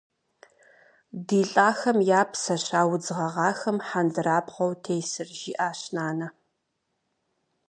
- Ди лӏахэм я псэщ а удз гъэгъахэм хьэндырабгъуэу тесыр, - жиӏащ нанэ.